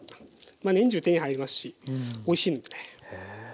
まあ年中手に入りますしおいしいのでね。